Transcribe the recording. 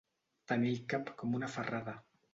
Tenir el cap com una ferrada.